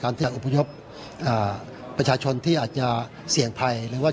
ที่จะอบพยพประชาชนที่อาจจะเสี่ยงภัยหรือว่า